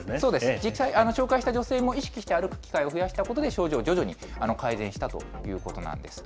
実際に紹介した女性も意識して歩く機会を増やしたことで、症状、徐々に改善したということなんです。